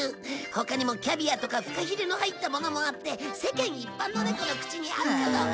他にもキャビアとかフカヒレの入ったものもあって世間一般の猫の口に合うかどうか。